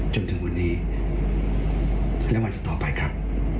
จนถึงวันนี้และวันต่อไปครับ